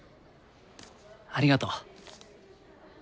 ありがとう。